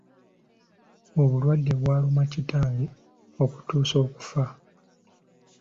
Obulwadde bwaluma kitange okutuusa okufa.